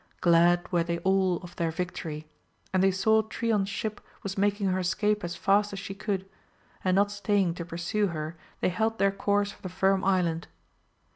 Glad were they all of their victory; and they saw Trion's ship was making her escape as fast as she could, and not staying to pursue her they held their course for the Firm Island.